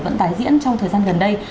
vẫn tái diễn trong thời gian gần đây